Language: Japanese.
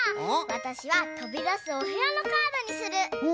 わたしはとびだすおへやのカードにする。